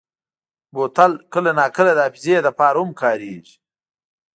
بوتل کله ناکله د حافظې لپاره هم کارېږي.